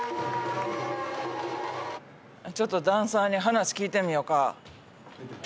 ちょっとダンサーに話聞いてみよか。